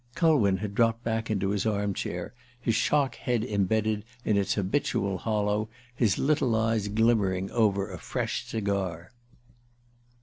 Culwin had dropped back into his armchair, his shock head embedded in its habitual hollow, his little eyes glimmering over a fresh cigar.